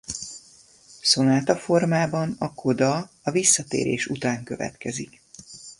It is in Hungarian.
Szonátaformában a coda a visszatérés után következik.